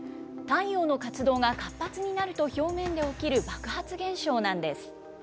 太陽の活動が活発になると表面で起きる爆発現象なんです。